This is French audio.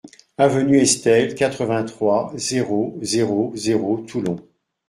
Avenue Estelle, quatre-vingt-trois, zéro zéro zéro Toulon